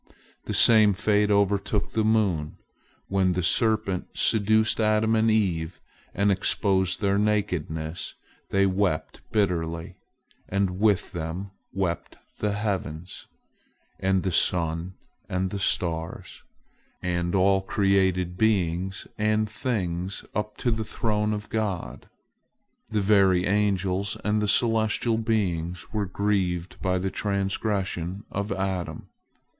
The same fate overtook the moon. When the serpent seduced Adam and Eve, and exposed their nakedness, they wept bitterly, and with them wept the heavens, and the sun and the stars, and all created beings and things up to the throne of God. The very angels and the celestial beings were grieved by the trans gression of Adam.